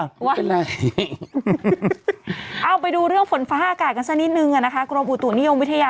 ไม่เป็นไรเอาไปดูเรื่องฝนฟ้าอากาศกันซะนิดนึงอ่ะนะคะ